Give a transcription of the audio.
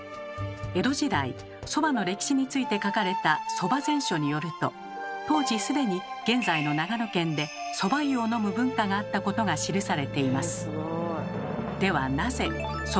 江戸時代そばの歴史について書かれた「蕎麦全書」によると当時既に現在の長野県でそば湯を飲む文化があったことが記されています。